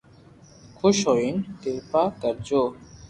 خوݾ ھوئين ڪرپا ڪرجو